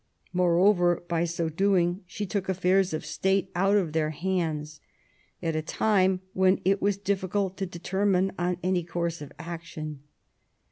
Moreover, by so doing, she took affairs of State out of their hands at a time when it was difficult to determine on any course of action.